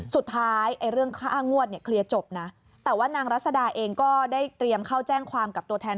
ไอ้เรื่องค่างวดเนี่ยเคลียร์จบนะแต่ว่านางรัศดาเองก็ได้เตรียมเข้าแจ้งความกับตัวแทน